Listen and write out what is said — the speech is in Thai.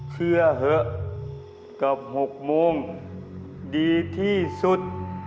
เชื่อเถอะกับ๖โมงดีที่สุด